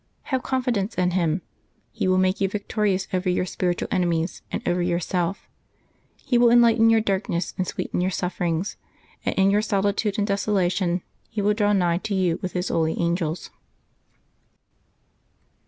Have confidence in Him. He will make you victorious over your spiritual enemies and over yourself. He will enlighten your darkness and sweeten your suffer ings, and in your solitude and desolation He will draw nigh to you with His holy angels.